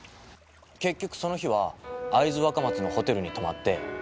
結局その日は会津若松のホテルに泊まって。